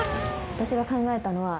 私が考えたのは。